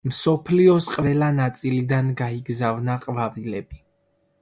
მსოფლიოს ყველა ნაწილიდან გაიგზავნა ყვავილები.